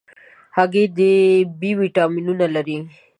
هګۍ د B ویټامینونه لري.